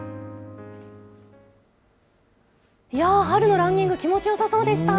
春のランニング、気持ちよさそうでした。